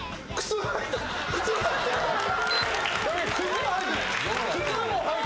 靴履いてない。